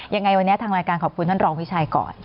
ยังไงวันนี้ทางรายการขอบคุณท่านรองวิชัยก่อน